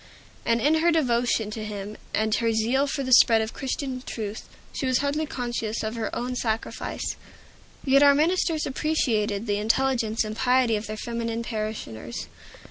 And in her devotion to him, and her zeal for the spread of Christian truth, she was hardly conscious of her own sacrifice. Yet our ministers appreciated the intelligence and piety of their feminine parishioners.